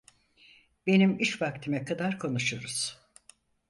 Benim iş vaktime kadar konuşuruz!